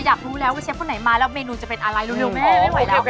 อยากรู้นะว่าเชฟคนไหนมาแล้วเมนูจะเป็นอะไรรู้ไม่ใช่มะ